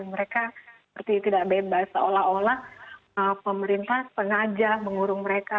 mereka seperti tidak bebas seolah olah pemerintah sengaja mengurung mereka